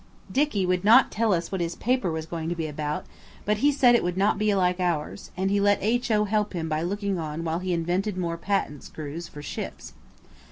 Dicky would not tell us what his paper was going to be about, but he said it would not be like ours, and he let H.O. help him by looking on while he invented more patent screws for ships.